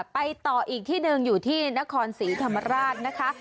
ไปต่ออีกที่หนึ่งอยู่ที่นครศรีธรรมราชนะคะ